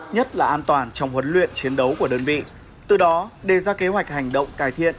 nhất là an toàn trong huấn luyện chiến đấu của đơn vị từ đó đề ra kế hoạch hành động cải thiện